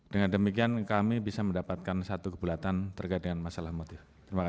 dengan demikian kami bisa mendapatkan satu kebulatan terkait dengan masalah motif